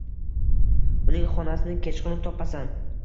Uning xonasini kechqurun topasan.